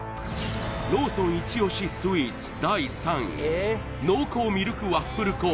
ローソンイチ押しスイーツ第３位濃厚ミルクワッフル